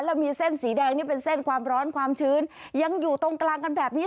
แล้วมีเส้นสีแดงนี่เป็นเส้นความร้อนความชื้นยังอยู่ตรงกลางกันแบบนี้